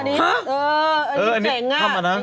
เอออันนี้เฉงอ่ะ